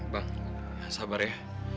bang sabar ya